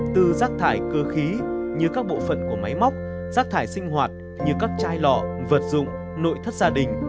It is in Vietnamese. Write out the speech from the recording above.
từ rác thải cơ khí như các bộ phận của máy móc rác thải sinh hoạt như các chai lọ vật dụng nội thất gia đình